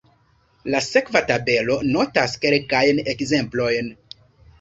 La sekva tabelo notas kelkajn ekzemplojn.